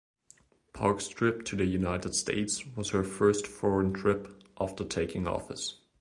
Park's trip to the United States was her first foreign trip after taking office.